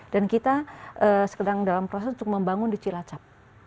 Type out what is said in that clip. dan kita sedang dalam proses untuk membangun di cilacap